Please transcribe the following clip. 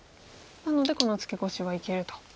なのでこのツケコシはいけると。